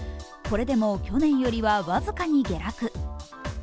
これでも去年よりは僅かに下落。